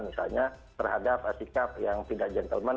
misalnya terhadap sikap yang tidak gentleman